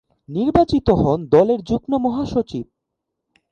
নির্বাচিত হন দলের যুগ্ম মহাসচিব।